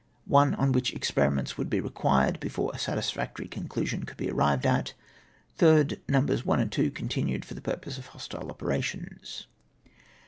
One on which experiments would be required before a satisfactory conclusion couJd be arrived at. " 3rd. Nos. 1 and 2 continued for the jiurpose of hostile operations.